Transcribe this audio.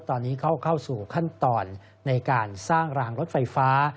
ตอนนี้เข้าสู่ขั้นตอนในการสร้างรางรถไฟฟ้า